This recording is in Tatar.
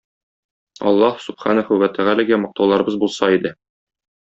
Аллаһ Сүбхәнәһү вә Тәгаләгә мактауларыбыз булса иде!